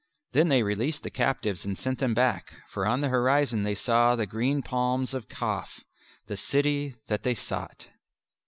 Then they released the captives and sent them back, for on the horizon they saw the green palms of Kaf, the city that they sought.